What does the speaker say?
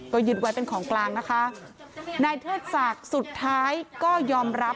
ก็ยึดไว้เป็นของกลางนะคะนายเทิดศักดิ์สุดท้ายก็ยอมรับ